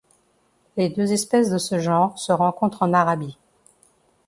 Les deux espèces de ce genre se rencontrent en Arabie.